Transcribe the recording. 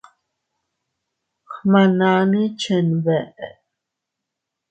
Gmananni chenbeʼe.